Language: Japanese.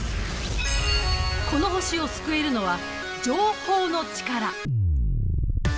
この星を救えるのは情報のチカラ。